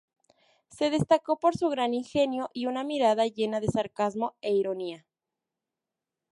Se destacó por su gran ingenio y una mirada llena de sarcasmo e ironía.